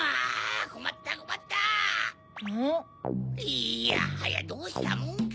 いやはやどうしたもんか。